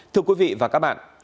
thưa quý vị và các bạn